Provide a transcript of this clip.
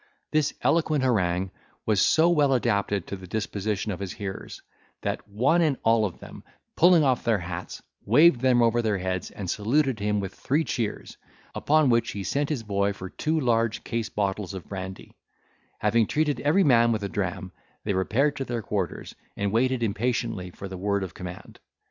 This eloquent harangue was so well adapted to the disposition of his hearers, that one and all of them, pulling off their hats, waved them over their heads, and saluted him with three cheers; upon which he sent his boy for two large case bottles of brandy: having treated every man with a dram, they repaired to their quarters, and waited impatiently for the word of command.